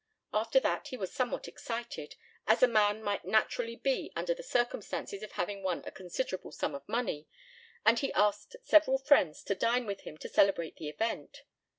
After that he was somewhat excited, as a man might naturally be under the circumstances of having won a considerable sum of money, and he asked several friends to dine with him to celebrate the event.